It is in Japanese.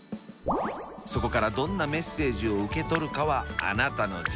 そこからどんなメッセージを受け取るかはあなたの自由。